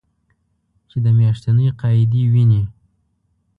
چې د میاشتنۍ قاعدې وینې